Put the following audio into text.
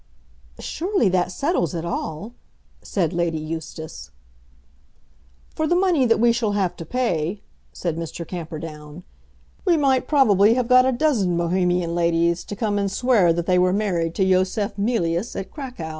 "Surely that settles it all," said Lady Eustace. "For the money that we shall have to pay," said Mr. Camperdown, "we might probably have got a dozen Bohemian ladies to come and swear that they were married to Yosef Mealyus at Cracow.